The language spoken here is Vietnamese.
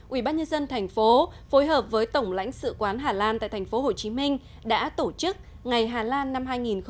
ubnd tp phối hợp với tổng lãnh sự quán hà lan tại tp hcm đã tổ chức ngày hà lan năm hai nghìn một mươi chín